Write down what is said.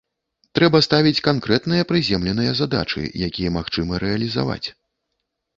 Трэба ставіць канкрэтныя прыземленыя задачы, якія магчыма рэалізаваць.